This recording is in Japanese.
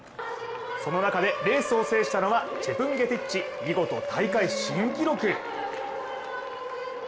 その中でレースを制したのはチェプンゲティッチ、見事、大会新記録。